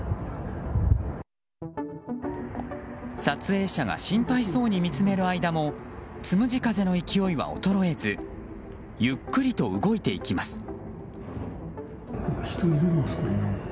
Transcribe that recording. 撮影者が心配そうに見つめる間もつむじ風の勢いは衰えずゆっくりと動いていきます。